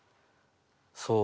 そう。